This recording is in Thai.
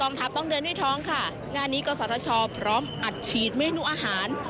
ต้องเดินด้วยท้องค่ะงานนี้กศชพร้อมอัดฉีดเมนูอาหาร